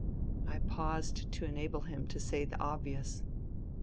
I paused to enable him to say the obvious.